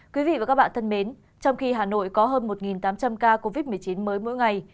quý vị và các bạn thân mến trong khi hà nội có hơn một tám trăm linh ca covid một mươi chín mới mỗi ngày